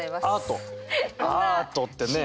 アートってねえ。